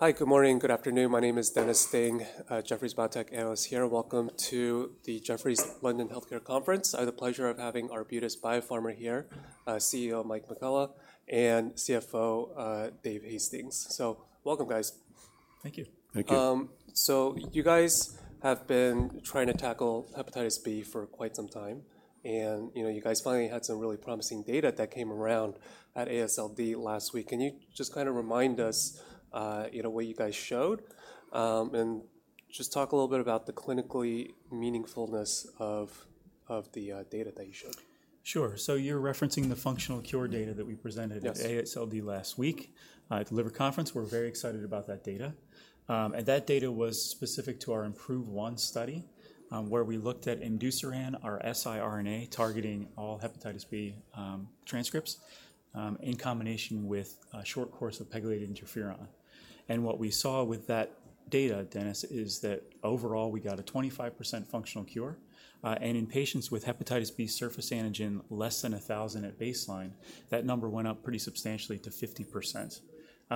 Hi, good morning, good afternoon. My name is Dennis Ding. Jefferies Biotech analyst here. Welcome to the Jefferies London Healthcare Conference. I have the pleasure of having Arbutus Biopharma here, CEO Mike McElhaugh, and CFO Dave Hastings. So welcome, guys. Thank you. Thank you. So you guys have been trying to tackle hepatitis B for quite some time. And you know, you guys finally had some really promising data that came around at AASLD last week. Can you just kind of remind us what you guys showed? And just talk a little bit about the clinically meaningfulness of the data that you showed. Sure. So you're referencing the functional cure data that we presented at AASLD last week at the liver conference. We're very excited about that data. And that data was specific to our IM-PROVE I study, where we looked at imdusiran, our siRNA targeting all hepatitis B transcripts, in combination with a short course of pegylated interferon. And what we saw with that data, Dennis, is that overall, we got a 25% functional cure. And in patients with hepatitis B surface antigen, less than 1,000 at baseline, that number went up pretty substantially to 50%,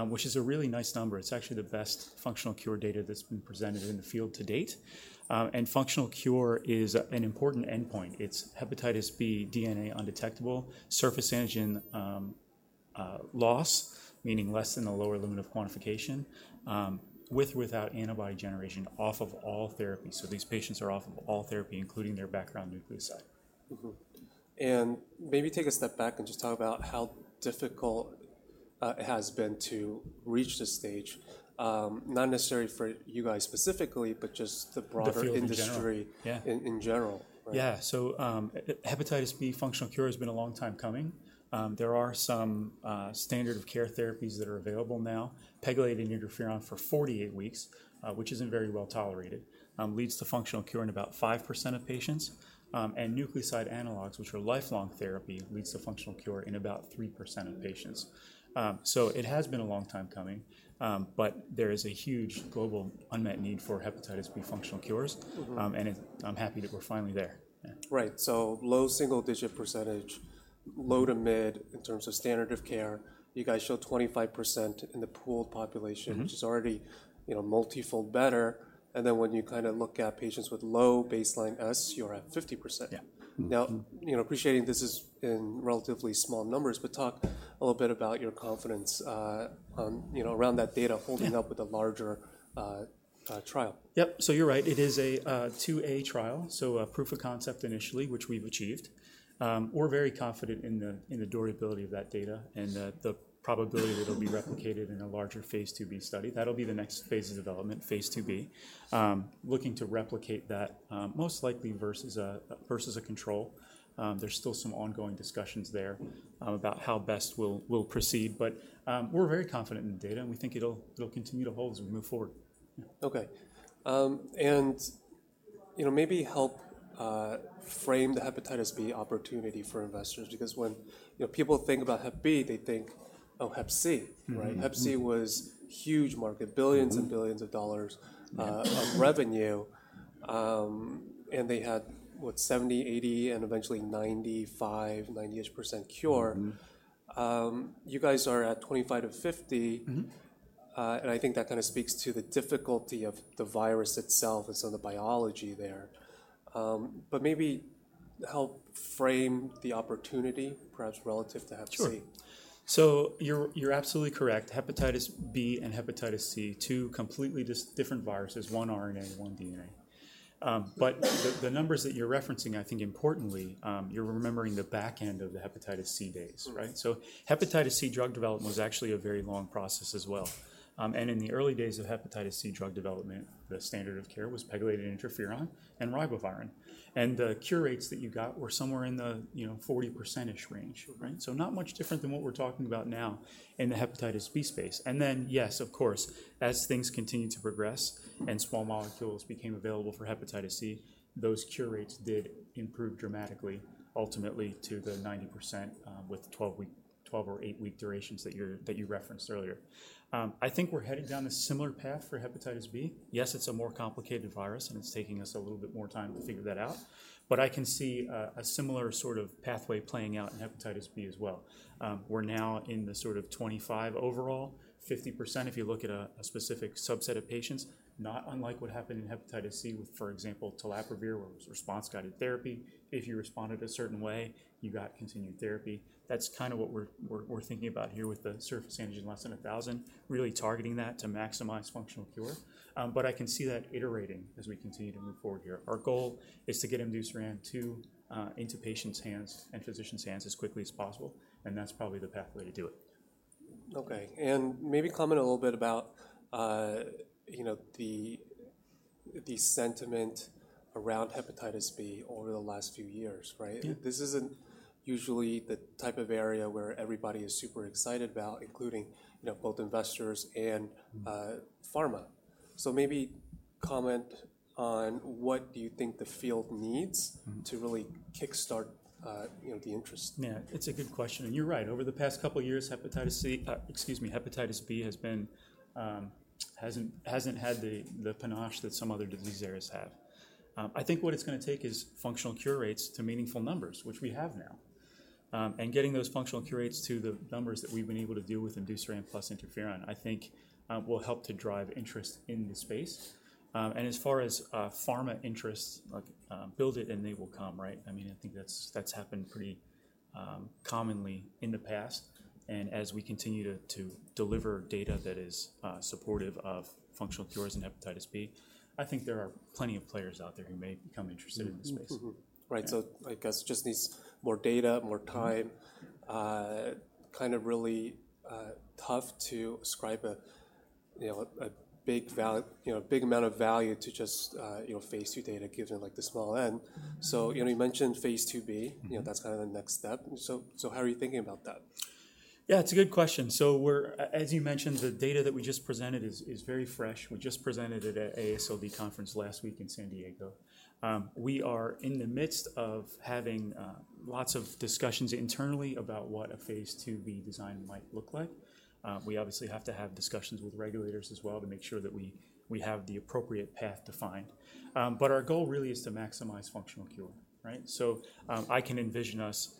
which is a really nice number. It's actually the best functional cure data that's been presented in the field to date. And functional cure is an important endpoint. It's hepatitis B DNA undetectable, surface antigen loss, meaning less than the lower limit of quantification, with or without antibody generation off of all therapy. These patients are off of all therapy, including their background nucleoside. Maybe take a step back and just talk about how difficult it has been to reach this stage, not necessarily for you guys specifically, but just the broader industry in general. Yeah. So hepatitis B functional cure has been a long time coming. There are some standard of care therapies that are available now. Pegylated interferon for 48 weeks, which isn't very well tolerated, leads to functional cure in about 5% of patients. And nucleoside analogs, which are lifelong therapy, leads to functional cure in about 3% of patients. So it has been a long time coming. But there is a huge global unmet need for hepatitis B functional cures. And I'm happy that we're finally there. Right. So low single digit percentage, low to mid in terms of standard of care. You guys showed 25% in the pooled population, which is already multifold better, and then when you kind of look at patients with low baseline S, you're at 50%. Now, appreciating this is in relatively small numbers, but talk a little bit about your confidence around that data holding up with a larger trial. Yep. So you're right. It is a phase II-A trial, so a proof of concept initially, which we've achieved. We're very confident in the durability of that data and the probability that it'll be replicated in a larger phase II-B study. That'll be the next phase of development, phase II-B, looking to replicate that most likely versus a control. There's still some ongoing discussions there about how best we'll proceed. But we're very confident in the data. And we think it'll continue to hold as we move forward. OK, and maybe help frame the hepatitis B opportunity for investors. Because when people think about Hep B, they think, oh, Hep C. Hep C was huge market, billions and billions of dollars of revenue. And they had, what, 70%, 80%, and eventually 95%, 90-ish% cure. You guys are at 25%-50%. And I think that kind of speaks to the difficulty of the virus itself and some of the biology there. But maybe help frame the opportunity, perhaps relative to Hep C. So you're absolutely correct. hepatitis B and hepatitis C, two completely different viruses, one RNA and one DNA. But the numbers that you're referencing, I think importantly, you're remembering the back end of the hepatitis C days. So hepatitis C drug development was actually a very long process as well. And in the early days of hepatitis C drug development, the standard of care was pegylated interferon and ribavirin. And the cure rates that you got were somewhere in the 40%-ish range. So not much different than what we're talking about now in the hepatitis B space. And then, yes, of course, as things continued to progress and small molecules became available for hepatitis C, those cure rates did improve dramatically, ultimately to the 90% with 12 or 8 week durations that you referenced earlier. I think we're heading down a similar path for hepatitis B. Yes, it's a more complicated virus. And it's taking us a little bit more time to figure that out. But I can see a similar sort of pathway playing out in hepatitis B as well. We're now in the sort of 25% overall, 50% if you look at a specific subset of patients, not unlike what happened in hepatitis C with, for example, telaprevir, where it was response-guided therapy. If you responded a certain way, you got continued therapy. That's kind of what we're thinking about here with the surface antigen, less than 1,000, really targeting that to maximize functional cure. But I can see that iterating as we continue to move forward here. Our goal is to get imdusiran into patients' hands and physicians' hands as quickly as possible. And that's probably the pathway to do it. OK. And maybe comment a little bit about the sentiment around hepatitis B over the last few years. This isn't usually the type of area where everybody is super excited about, including both investors and pharma. So maybe comment on what do you think the field needs to really kickstart the interest? Yeah. It's a good question. And you're right. Over the past couple of years, hepatitis C, excuse me, hepatitis B hasn't had the panache that some other disease areas have. I think what it's going to take is functional cure rates to meaningful numbers, which we have now. And getting those functional cure rates to the numbers that we've been able to deal with imdusiran plus interferon, I think, will help to drive interest in the space. And as far as pharma interests, build it and they will come. I mean, I think that's happened pretty commonly in the past. And as we continue to deliver data that is supportive of functional cures in hepatitis B, I think there are plenty of players out there who may become interested in the space. Right. So I guess it just needs more data, more time. Kind of really tough to ascribe a big amount of value to just phase II data given the small n. So you mentioned phase II-B. That's kind of the next step. So how are you thinking about that? Yeah. It's a good question. So as you mentioned, the data that we just presented is very fresh. We just presented it at AASLD conference last week in San Diego. We are in the midst of having lots of discussions internally about what a phase II-B design might look like. We obviously have to have discussions with regulators as well to make sure that we have the appropriate path defined. But our goal really is to maximize functional cure. So I can envision us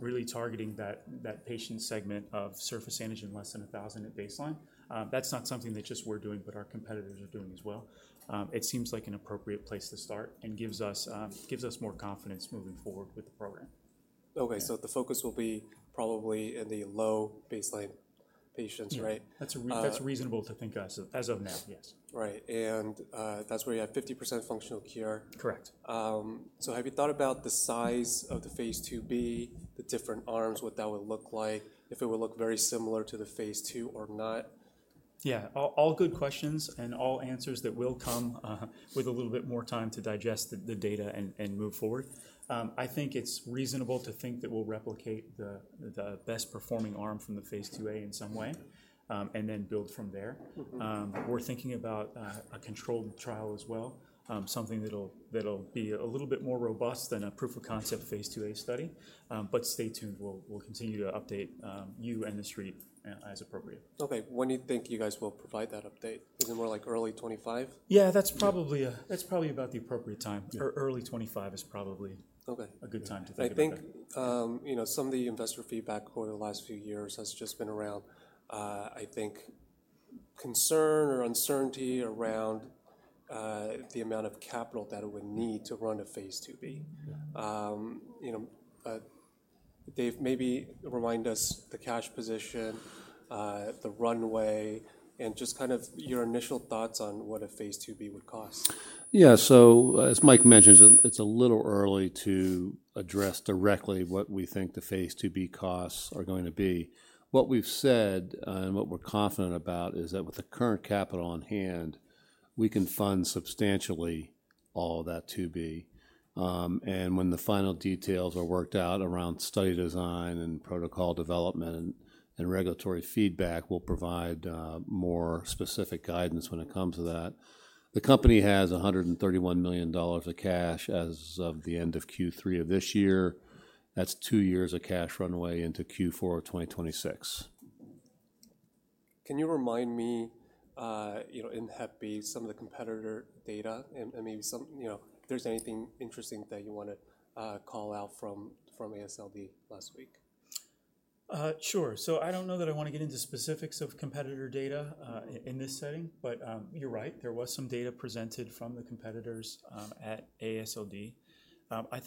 really targeting that patient segment of surface antigen, less than 1,000 at baseline. That's not something that just we're doing, but our competitors are doing as well. It seems like an appropriate place to start and gives us more confidence moving forward with the program. OK. So the focus will be probably in the low baseline patients, right? That's reasonable to think as of now, yes. Right. And that's where you have 50% functional cure. Correct. So have you thought about the size of the phase II-B, the different arms, what that would look like, if it would look very similar to the phase II or not? Yeah. All good questions and all answers that will come with a little bit more time to digest the data and move forward. I think it's reasonable to think that we'll replicate the best performing arm from the phase II-A in some way and then build from there. We're thinking about a controlled trial as well, something that'll be a little bit more robust than a proof of concept phase II-A study. But stay tuned. We'll continue to update you and the street as appropriate. OK. When do you think you guys will provide that update? Is it more like early 2025? Yeah. That's probably about the appropriate time. Early 2025 is probably a good time to think about it. I think some of the investor feedback over the last few years has just been around, I think, concern or uncertainty around the amount of capital that it would need to run a phase II-B. Dave, maybe remind us the cash position, the runway, and just kind of your initial thoughts on what a phase II-B would cost. Yeah. So as Mike mentioned, it's a little early to address directly what we think the phase II-B costs are going to be. What we've said and what we're confident about is that with the current capital on hand, we can fund substantially all of that phase II-B. And when the final details are worked out around study design and protocol development and regulatory feedback, we'll provide more specific guidance when it comes to that. The company has $131 million of cash as of the end of Q3 of this year. That's two years of cash runway into Q4 of 2026. Can you remind me, in Hep B, some of the competitor data and maybe if there's anything interesting that you want to call out from AASLD last week? Sure. So I don't know that I want to get into specifics of competitor data in this setting. But you're right. There was some data presented from the competitors at AASLD. I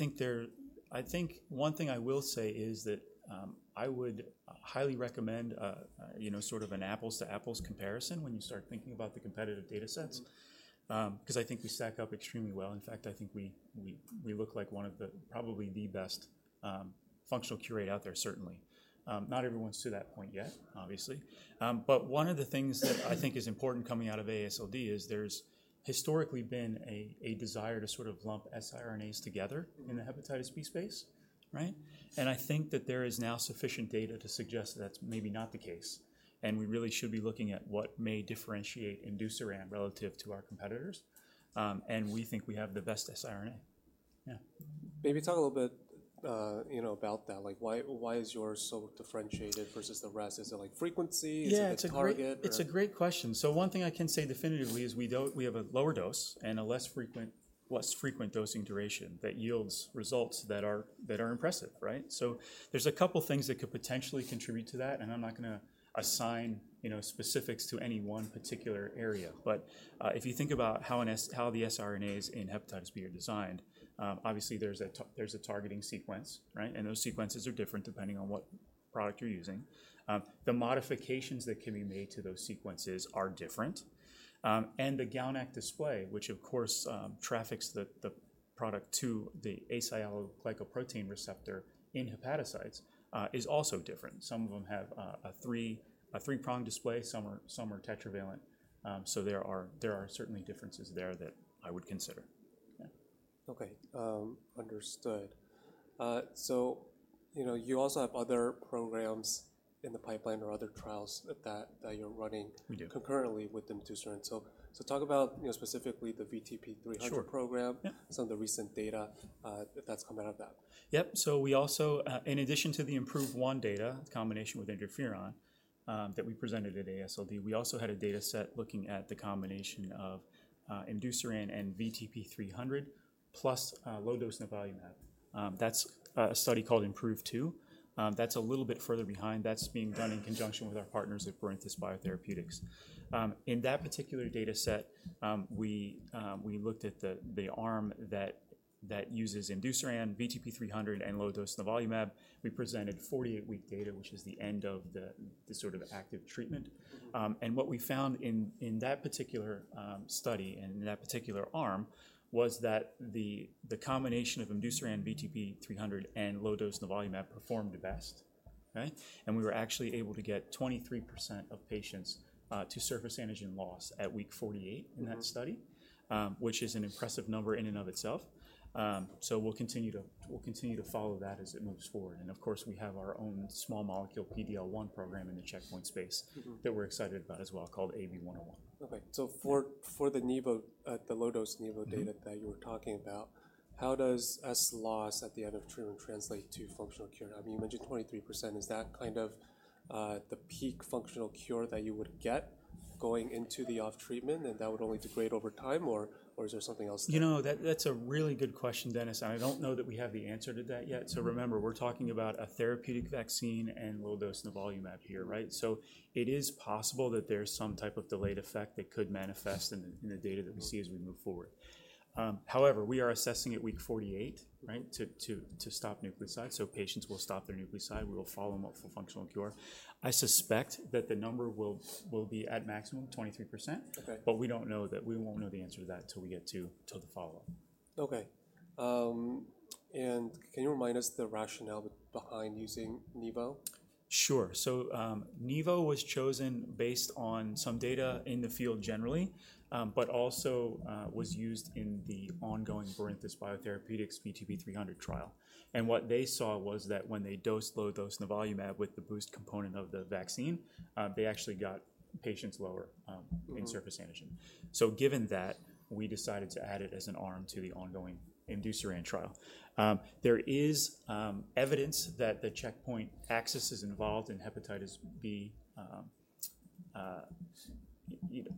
think one thing I will say is that I would highly recommend sort of an apples to apples comparison when you start thinking about the competitive data sets. Because I think we stack up extremely well. In fact, I think we look like one of the probably best functional cure rate out there, certainly. Not everyone's to that point yet, obviously. But one of the things that I think is important coming out of AASLD is there's historically been a desire to sort of lump siRNAs together in the hepatitis B space. And I think that there is now sufficient data to suggest that that's maybe not the case. We really should be looking at what may differentiate imdusiran relative to our competitors. We think we have the best siRNA. Yeah. Maybe talk a little bit about that. Why is yours so differentiated versus the rest? Is it like frequency? Is it a target? It's a great question. So one thing I can say definitively is we have a lower dose and a less frequent dosing duration that yields results that are impressive. So there's a couple of things that could potentially contribute to that. And I'm not going to assign specifics to any one particular area. But if you think about how the siRNAs in hepatitis B are designed, obviously there's a targeting sequence. And those sequences are different depending on what product you're using. The modifications that can be made to those sequences are different. And the GalNAc display, which of course traffics the product to the asialoglycoprotein receptor in hepatocytes, is also different. Some of them have a three-prong display. Some are tetravalent. So there are certainly differences there that I would consider. Okay. Understood. So you also have other programs in the pipeline or other trials that you're running concurrently with imdusiran. So talk about specifically the VTP-300 program, some of the recent data that's come out of that. Yep. So we also, in addition to the IM-PROVE I data, combination with interferon that we presented at AASLD, we also had a data set looking at the combination of imdusiran and VTP-300 plus low dose nivolumab. That's a study called IM-PROVE II. That's a little bit further behind. That's being done in conjunction with our partners at Barinthus Biotherapeutics. In that particular data set, we looked at the arm that uses imdusiran, VTP-300, and low dose nivolumab. We presented 48-week data, which is the end of the sort of active treatment. And what we found in that particular study and in that particular arm was that the combination of imdusiran, VTP-300, and low dose nivolumab performed best. And we were actually able to get 23% of patients to surface antigen loss at week 48 in that study, which is an impressive number in and of itself. So we'll continue to follow that as it moves forward. And of course, we have our own small molecule PD-L1 program in the checkpoint space that we're excited about as well called AB-101. OK. So for the low dose nivo data that you were talking about, how does S loss at the end of treatment translate to functional cure? I mean, you mentioned 23%. Is that kind of the peak functional cure that you would get going into the off treatment? And that would only degrade over time? Or is there something else? You know, that's a really good question, Dennis. I don't know that we have the answer to that yet. Remember, we're talking about a therapeutic vaccine and low dose nivolumab here. It is possible that there's some type of delayed effect that could manifest in the data that we see as we move forward. However, we are assessing at week 48 to stop nucleoside. Patients will stop their nucleoside. We will follow them up for functional cure. I suspect that the number will be at maximum 23%. But we don't know that we won't know the answer to that until we get to the follow-up. OK. And can you remind us the rationale behind using nivo? Sure. So nivo was chosen based on some data in the field generally, but also was used in the ongoing Barinthus Biotherapeutics VTP-300 trial, and what they saw was that when they dosed low dose nivolumab with the boost component of the vaccine, they actually got patients lower in surface antigen, so given that, we decided to add it as an arm to the ongoing imdusiran trial. There is evidence that the checkpoint axis is involved in hepatitis B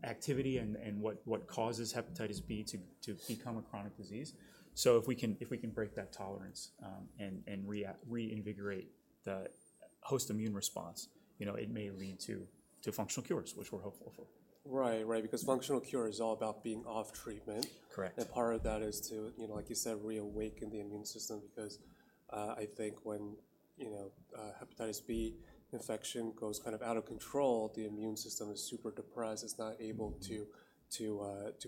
activity and what causes hepatitis B to become a chronic disease, so if we can break that tolerance and reinvigorate the host immune response, it may lead to functional cures, which we're hopeful for. Right. Right. Because functional cure is all about being off treatment, and part of that is to, like you said, reawaken the immune system. Because I think when hepatitis B infection goes kind of out of control, the immune system is super depressed. It's not able to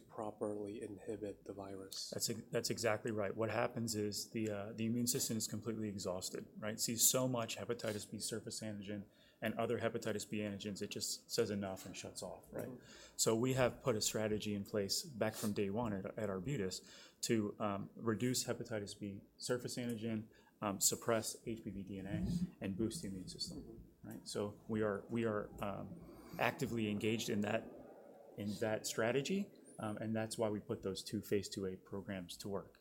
properly inhibit the virus. That's exactly right. What happens is the immune system is completely exhausted. It sees so much hepatitis B surface antigen and other hepatitis B antigens, it just says enough and shuts off. So we have put a strategy in place back from day one at Arbutus to reduce hepatitis B surface antigen, suppress HBV DNA, and boost the immune system. We are actively engaged in that strategy. That's why we put those two phase II-A programs to work,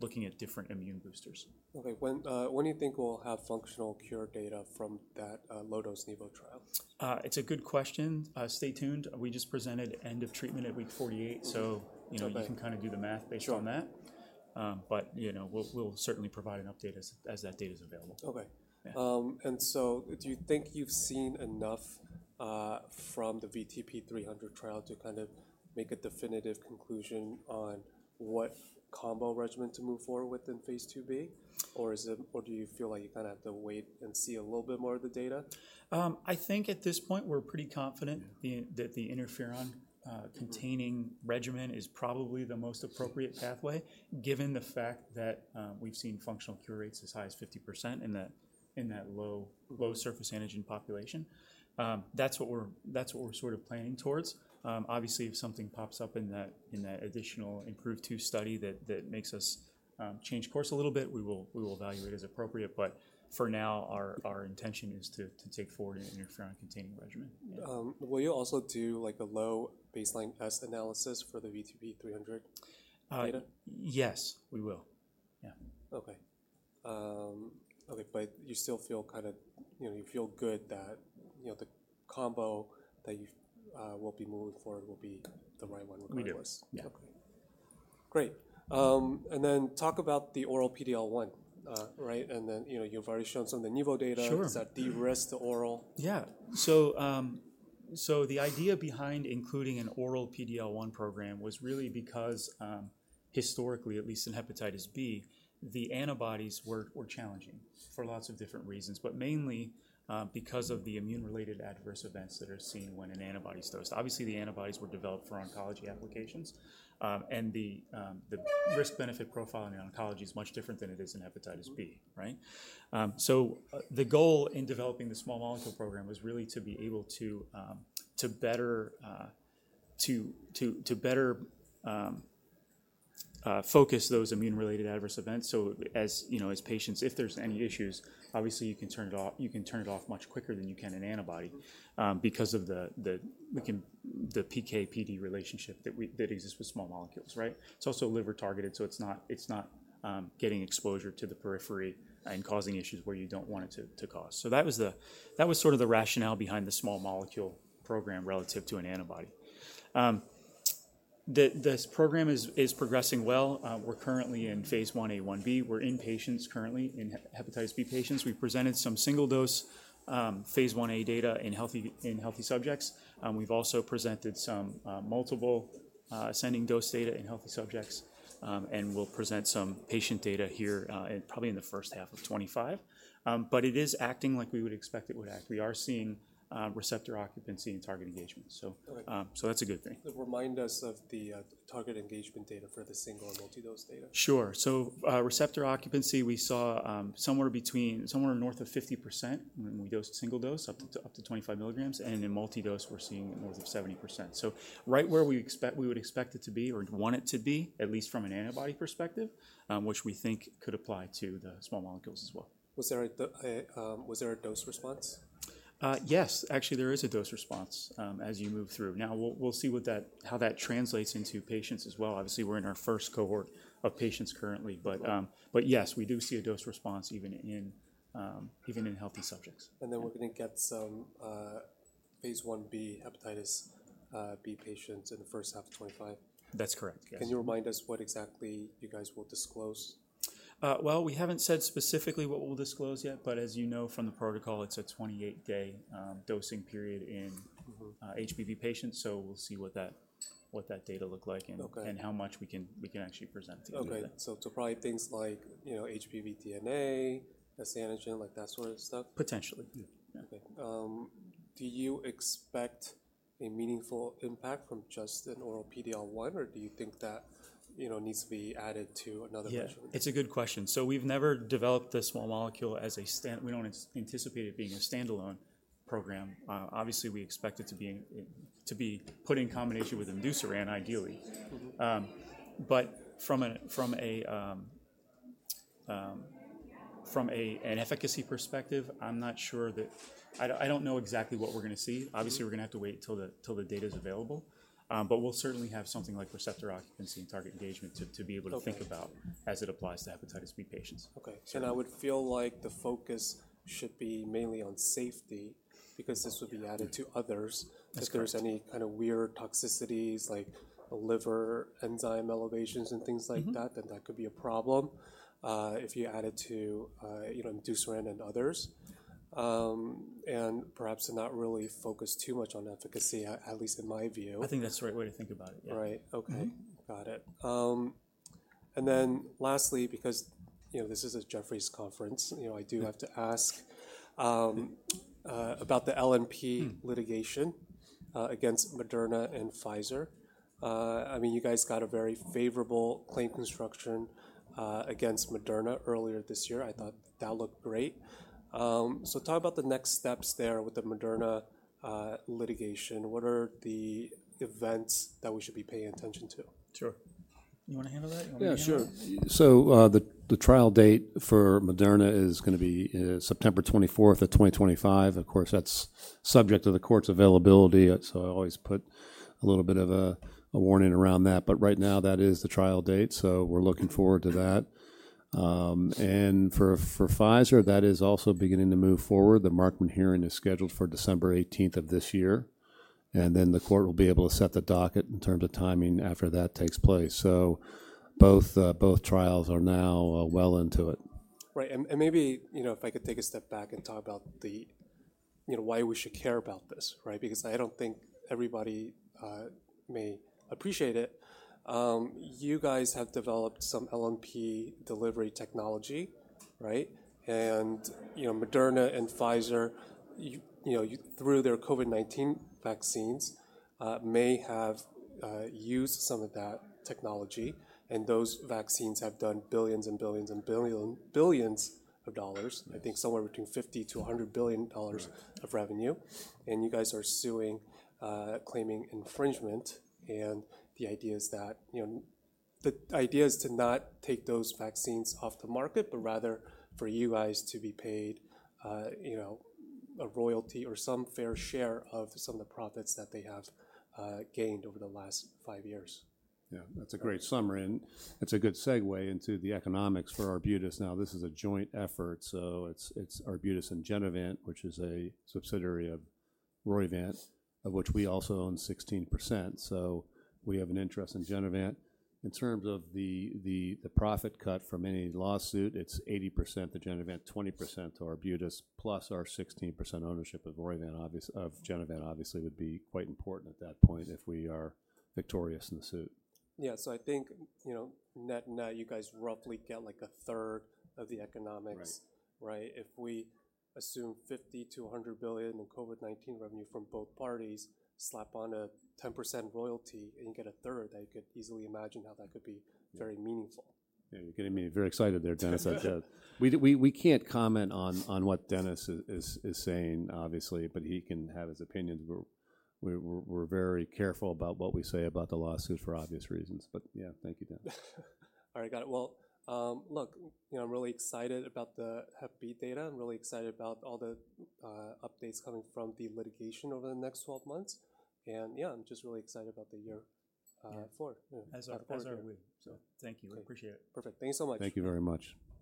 looking at different immune boosters. When do you think we'll have functional cure data from that low dose nivo trial? It's a good question. Stay tuned. We just presented end of treatment at week 48. So you can kind of do the math based on that. But we'll certainly provide an update as that data is available. OK, and so do you think you've seen enough from the VTP-300 trial to kind of make a definitive conclusion on what combo regimen to move forward with in phase II-B? Or do you feel like you kind of have to wait and see a little bit more of the data? I think at this point, we're pretty confident that the interferon-containing regimen is probably the most appropriate pathway, given the fact that we've seen functional cure rates as high as 50% in that low surface antigen population. That's what we're sort of planning towards. Obviously, if something pops up in that additional IM-PROVE II study that makes us change course a little bit, we will evaluate as appropriate. But for now, our intention is to take forward an interferon-containing regimen. Will you also do a low baseline HBsAg analysis for the VTP-300 data? Yes, we will. Yeah. OK. But you still feel kind of good that the combo that you will be moving forward will be the right one regardless? We will. Yeah. Great. And then talk about the oral PD-L1. And then you've already shown some of the nivo data. Is that de-risk the oral? Yeah. So the idea behind including an oral PD-L1 program was really because historically, at least in hepatitis B, the antibodies were challenging for lots of different reasons. But mainly because of the immune-related adverse events that are seen when an antibody is dosed. Obviously, the antibodies were developed for oncology applications. And the risk-benefit profile in oncology is much different than it is in hepatitis B. So the goal in developing the small molecule program was really to be able to better focus those immune-related adverse events. So as patients, if there's any issues, obviously you can turn it off much quicker than you can an antibody because of the PK/PD relationship that exists with small molecules. It's also liver-targeted. So it's not getting exposure to the periphery and causing issues where you don't want it to cause. So that was sort of the rationale behind the small molecule program relative to an antibody. This program is progressing well. We're currently in phase I-A/I-B. We're in patients currently, in hepatitis B patients. We presented some single-dose phase I-A data in healthy subjects. We've also presented some multiple ascending dose data in healthy subjects. And we'll present some patient data here probably in the first half of 2025. But it is acting like we would expect it would act. We are seeing receptor occupancy and target engagement. So that's a good thing. Remind us of the target engagement data for the single and multi-dose data. Sure. So receptor occupancy, we saw somewhere north of 50% when we dosed single dose up to 25 mg. And in multi-dose, we're seeing north of 70%. So right where we would expect it to be or want it to be, at least from an antibody perspective, which we think could apply to the small molecules as well. Was there a dose response? Yes. Actually, there is a dose response as you move through. Now, we'll see how that translates into patients as well. Obviously, we're in our first cohort of patients currently. But yes, we do see a dose response even in healthy subjects. We're going to get some phase I-B hepatitis B patients in the first half of 2025. That's correct. Can you remind us what exactly you guys will disclose? We haven't said specifically what we'll disclose yet. As you know from the protocol, it's a 28-day dosing period in HBV patients. We'll see what that data look like and how much we can actually present to you. OK. So probably things like HBV DNA, S antigen, like that sort of stuff? Potentially. Do you expect a meaningful impact from just an oral PD-L1? Or do you think that needs to be added to another regimen? Yeah. It's a good question. So we've never developed the small molecule. We don't anticipate it being a standalone program. Obviously, we expect it to be put in combination with imdusiran, ideally. But from an efficacy perspective, I'm not sure. I don't know exactly what we're going to see. Obviously, we're going to have to wait until the data is available. But we'll certainly have something like receptor occupancy and target engagement to be able to think about as it applies to hepatitis B patients. Okay. I would feel like the focus should be mainly on safety because this would be added to others. If there's any kind of weird toxicities, like liver enzyme elevations and things like that, then that could be a problem if you add it to imdusiran and others. Perhaps to not really focus too much on efficacy, at least in my view. I think that's the right way to think about it. Right. OK. Got it. And then lastly, because this is a Jefferies conference, I do have to ask about the LNP litigation against Moderna and Pfizer. I mean, you guys got a very favorable claim construction against Moderna earlier this year. I thought that looked great. So talk about the next steps there with the Moderna litigation. What are the events that we should be paying attention to? Sure. You want to handle that? Yeah, sure. So the trial date for Moderna is going to be September 24th, 2025. Of course, that's subject to the court's availability. So I always put a little bit of a warning around that. But right now, that is the trial date. So we're looking forward to that. And for Pfizer, that is also beginning to move forward. The Markman hearing is scheduled for December 18th of this year. And then the court will be able to set the docket in terms of timing after that takes place. So both trials are now well into it. Right, and maybe if I could take a step back and talk about why we should care about this. Because I don't think everybody may appreciate it. You guys have developed some LNP delivery technology, and Moderna and Pfizer, through their COVID-19 vaccines, may have used some of that technology. And those vaccines have done billions and billions and billions of dollars, I think somewhere between $50 billion-$100 billion of revenue. And you guys are suing, claiming infringement. And the idea is that the idea is to not take those vaccines off the market, but rather for you guys to be paid a royalty or some fair share of some of the profits that they have gained over the last five years. Yeah. That's a great summary. And it's a good segue into the economics for Arbutus. Now, this is a joint effort. So it's Arbutus and Genevant, which is a subsidiary of Roivant, of which we also own 16%. So we have an interest in Genevant. In terms of the profit cut from any lawsuit, it's 80% to Genevant, 20% to Arbutus, plus our 16% ownership of Genevant, obviously, would be quite important at that point if we are victorious in the suit. Yeah. So I think net net, you guys roughly get like 1/3 of the economics. If we assume $50 billion-$100 billion in COVID-19 revenue from both parties, slap on a 10% royalty, and you get 1/3, I could easily imagine how that could be very meaningful. Yeah. You're getting me very excited there, Dennis. We can't comment on what Dennis is saying, obviously. But he can have his opinions. We're very careful about what we say about the lawsuit for obvious reasons. But yeah, thank you, Dennis. All right. Got it. Well, look, I'm really excited about the Hep B data. I'm really excited about all the updates coming from the litigation over the next 12 months. And yeah, I'm just really excited about the year forward. As are we. So thank you. I appreciate it. Perfect. Thank you so much. Thank you very much.